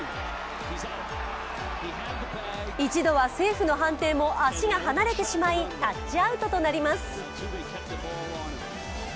１度はセーフの判定も、足が離れてしまいタッチアウトとなります。